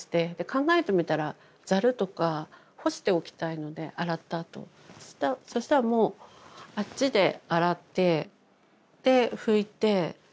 考えてみたらザルとか干しておきたいので洗ったあとそしたらもうあっちでしあわせリスト